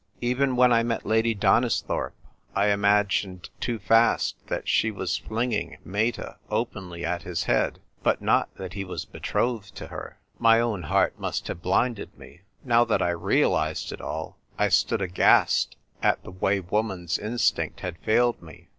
Even when I met Lady Donisthorpe I imagined too fast that she was flinging Meta openly at his head, but not that he was betrothed to her. My own heart must have blinded me. Now that I realised it all, 1 stood aghast at the way woman's instinct had failed me.